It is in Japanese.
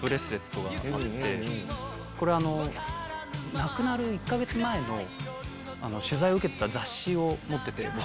亡くなる１か月前の取材を受けてた雑誌を持ってて。